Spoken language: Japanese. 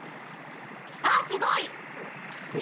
あっすごい！きた？